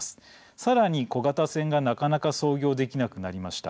さらに小型船がなかなか操業できなくなりました。